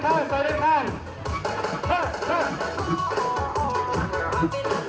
ใส่ขึ้นมาเร็ว